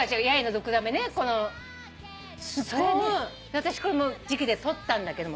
私これも時期で撮ったんだけど。